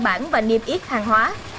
bản và niêm yết hàng hóa